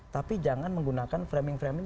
tapi jangan menggunakan framing framing